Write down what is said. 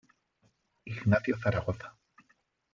Ignacio Zaragoza.